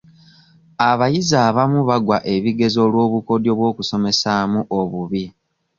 Abayizi abamu bagwa ebigezo olw'obukodyo by'okusomesamu obubi.